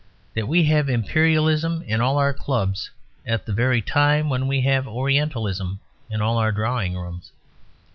That we have Imperialism in all our clubs at the very time when we have Orientalism in all our drawing rooms.